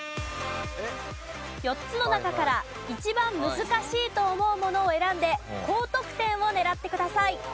４つの中から一番難しいと思うものを選んで高得点を狙ってください。